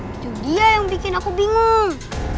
itu dia yang bikin aku bingung